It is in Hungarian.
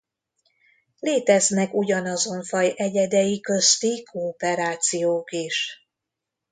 Léteznek ugyanazon faj egyedei közti kooperációk is.